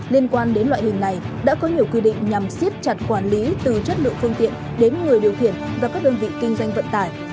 liên quan đến loại hình này đã có nhiều quy định nhằm siết chặt quản lý từ chất lượng phương tiện đến người điều khiển và các đơn vị kinh doanh vận tải